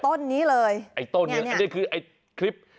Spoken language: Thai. ต้นนี้เลยอย่างเนี่ย